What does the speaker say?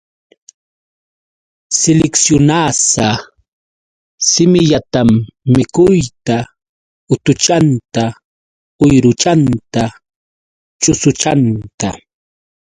Siliksyunasa simillatam mikuyta, utuchanta, uyruchanta, chusuchanta.